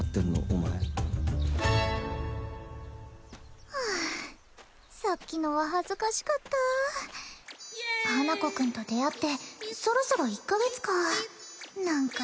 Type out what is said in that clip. お前はあさっきのは恥ずかしかった花子くんと出会ってそろそろ１カ月かなんか